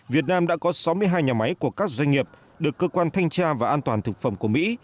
việt nam đã có sáu mươi hai nhà máy của các doanh nghiệp được cơ quan thanh tra và an toàn thực phẩm của mỹ